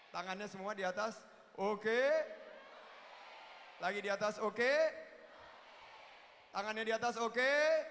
tangannya semua di atas oke lagi di atas oke tangannya di atas oke